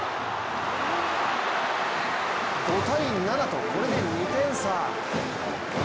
５−７とこれで２点差。